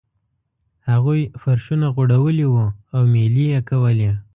هغوی فرشونه غوړولي وو او میلې یې کولې.